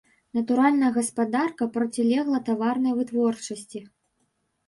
Натуральная гаспадарка процілегла таварнай вытворчасці.